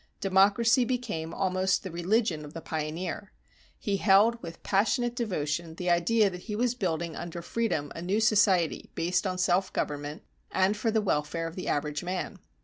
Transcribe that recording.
Democracy became almost the religion of the pioneer. He held with passionate devotion the idea that he was building under freedom a new society, based on self government, and for the welfare of the average man.